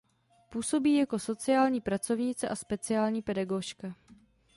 Působí jako sociální pracovnice a speciální pedagožka.